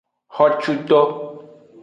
Xocuto.